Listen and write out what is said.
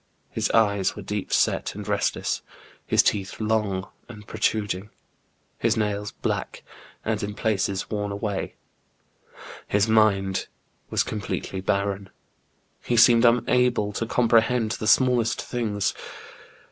His eyes were deep set and restless ; his teeth long and protruding ; his nails black, and in places worn away ; his mind was com pletely barren ; he seemed unable to comprehend the smallest things.